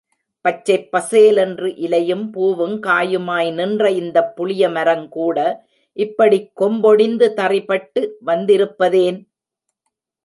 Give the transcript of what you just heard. பச்சைப்பசேல் என்று இலையும், பூவுங், காயுமாய் நின்ற இந்தப் புளியமரங்கூட இப்படிக் கொம்பொடிந்து தறிபட்டு வந்திருப்பதேன்?